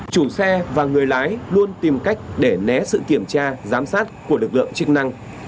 chủ xe và người lái luôn tìm cách để né sự kiểm tra giám sát của lực lượng chức năng